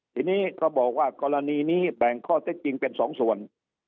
ทีนี้ก็บอกว่ากรณีนี้แบ่งข้อเท็จจริงเป็นสองส่วน